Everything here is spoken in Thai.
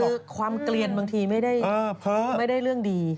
คือความเกลียนบางทีไม่ได้เรื่องดี